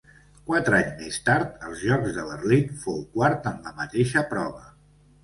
Quatre anys més tard, als Jocs de Berlín, fou quart en la mateixa prova.